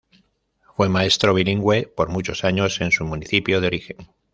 Fue maestro bilingüe por muchos años en su municipio de origen.